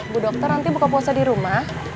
bu dokter nanti buka puasa di rumah